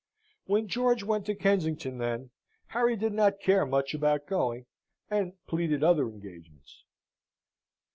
When George went to Kensington, then, Harry did not care much about going, and pleaded other engagements.